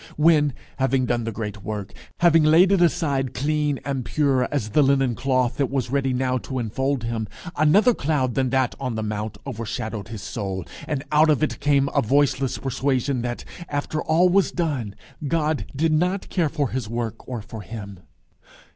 when, having done the great work, having laid it aside clean and pure as the linen cloth that was ready now to infold him, another cloud than that on the mount overshadowed his soul, and out of it came a voiceless persuasion that, after all was done, God did not care for his work or for him?